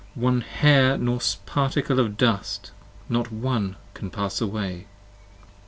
14 ONE hair nor particle of dust, not one can pass away.